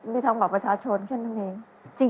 ไม่ทำบัตรประชาชนแค่นั้นเอง